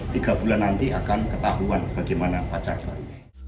tiga bulan nanti akan ketahuan bagaimana pacar baru